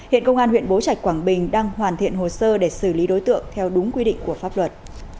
hiện công an huyện bố trạch quảng bình đang hoàn thiện hồ sơ để xử lý đối tượng theo đúng quy định của pháp luật